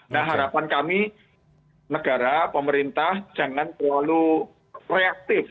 nah harapan kami negara pemerintah jangan terlalu reaktif